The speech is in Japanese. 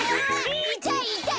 いたいいたい！